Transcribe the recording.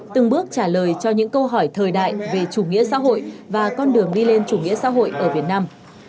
từng bước trả lời cho những câu hỏi thời đại về chủ nghĩa xã hội và con đường đi lên chủ nghĩa xã hội ở việt nam